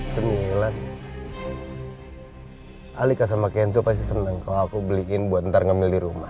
cemilan alika sama kenzo pasti seneng kalau aku beliin buat ntar ngamil di rumah